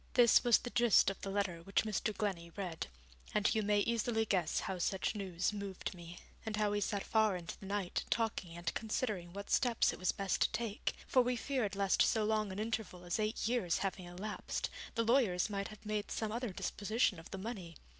This was the gist of the letter which Mr. Glennie read, and you may easily guess how such news moved me, and how we sat far into the night talking and considering what steps it was best to take, for we feared lest so long an interval as eight years having elapsed, the lawyers might have made some other disposition of the money.